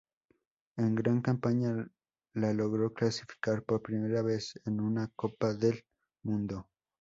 En gran campaña, la logró clasificar por primera vez a una Copa del Mundo.